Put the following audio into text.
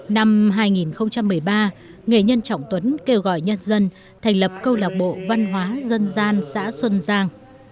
năm hai nghìn một mươi ba nghệ nhân trọng tuấn kêu gọi nhân dân thành lập câu lạc bộ văn hóa dân gian xã xuân giang